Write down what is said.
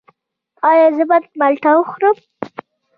ایا زه باید مالټه وخورم؟